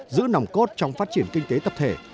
giữ nằm cốt trong phát triển kinh tế tập thể